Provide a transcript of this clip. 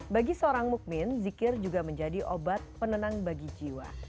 bagi seorang mukmin zikir juga menjadi obat penenang bagi jiwa